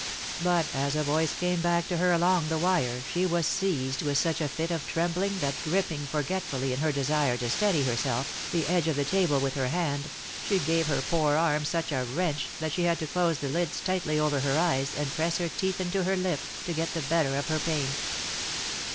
But as a voice came back to her along the wire she was seized with such a fit of trembling that gripping, forgetfully, in her desire to steady herself, the edge of the table with her hand, she gave her poor arm such a wrench that she had to close the lids tightly over her eyes, and press her teeth into her lip, to get the better of her pain.